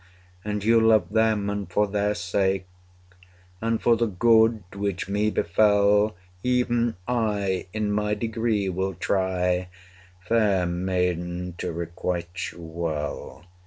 And you love them, and for their sake And for the good which me befel, 230 Even I in my degree will try, Fair maiden, to requite you well.